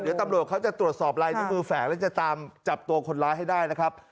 เดี๋ยวตำรวจเขาจะตรวจสอบลายนิ้วมือแฝงแล้วจะตามจับตัวคนร้ายให้ได้นะครับ